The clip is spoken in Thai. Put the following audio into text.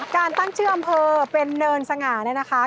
การตั้งชื่ออำเภอเป็นเนินสง่าเนี่ยนะคะ